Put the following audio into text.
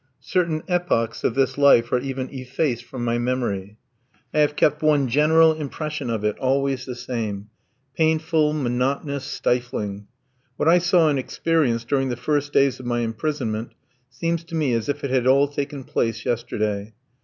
Certain epochs of this life are even effaced from my memory. I have kept one general impression of it, always the same; painful, monotonous, stifling. What I saw in experience during the first days of my imprisonment seems to me as if it had all taken place yesterday.